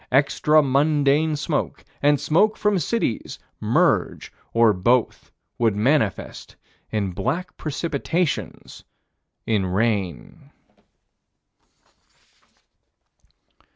Extra mundane smoke and smoke from cities merge, or both would manifest in black precipitations in rain.